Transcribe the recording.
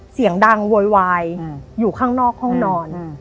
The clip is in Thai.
เสียงดังโวยวายอยู่ข้างนอกห้องนอน